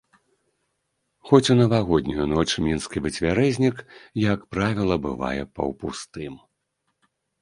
Хоць у навагоднюю ноч мінскі выцвярэзнік, як правіла, бывае паўпустым.